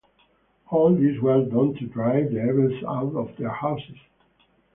All this was done to drive the evils out of their houses.